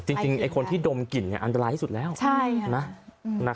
จริงจริงไอคนที่ดมกลิ่นเนี้ยอันดรายที่สุดแล้วใช่นะฮะ